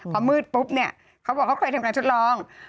พอมืดปุ๊บเขาบอกเขาก็ไปทำการทดลอง